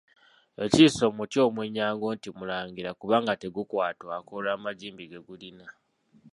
Ekiyisa omuti omwennyango nti Mulangira kubanga tegukwatwako olw’amagimbi ge gulina.